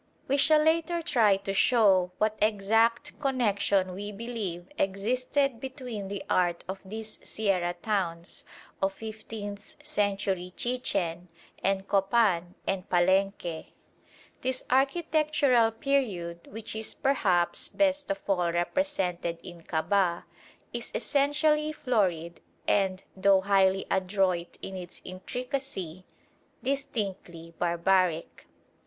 We shall later try to show what exact connection we believe existed between the art of these sierra towns, of fifteenth century Chichen, and Copan and Palenque. This architectural period, which is perhaps best of all represented in Kabah, is essentially florid and, though highly adroit in its intricacy, distinctly barbaric.